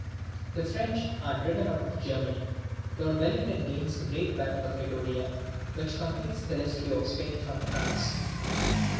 The French are driven out of Germany. Lord Wellington gains the great battle of Vittoria, which completes the rescue of Spain from France.